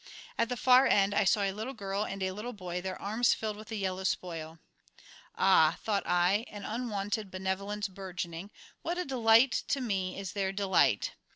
At the far end I saw a little girl and a little boy, their arms filled with yellow spoil. Ah, thought I, an unwonted benevolence burgeoning, what a delight to me is their delight!